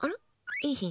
いいひん。